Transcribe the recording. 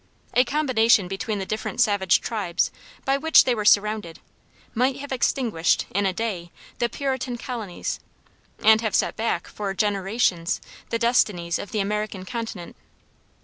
A combination between the different savage tribes, by which they were surrounded, might have extinguished, in a day, the Puritan Colonies, and have set back, for generations, the destinies of the American continent.